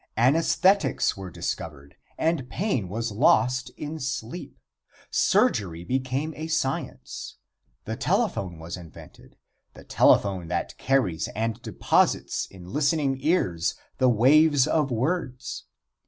Anaesthetics were discovered and pain was lost in sleep. Surgery became a science. The telephone was invented the telephone that carries and deposits in listening ears the waves of words.